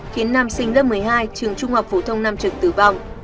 khiến nam sinh lớp một mươi hai trường trung học phổ thông nam trường tử vong